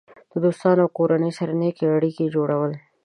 د دوستانو او کورنۍ سره د نیکې اړیکې جوړول.